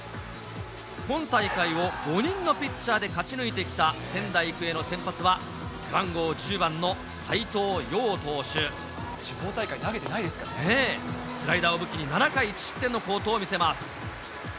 今大会を５人のピッチャーで勝ち抜いてきた仙台育英の先発は、地方大会投げてないですからねえ、スライダーを武器に７回１失点の好投を見せます。